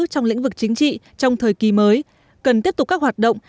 trong lĩnh vực chính trị trong thời kỳ mới cần tiếp tục các hoạt động